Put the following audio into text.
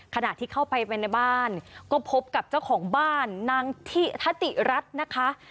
ขณะที่เข้าไปไปในบ้านก็พบกับเจ้าของบ้านนางทิธติรัฐนะคะ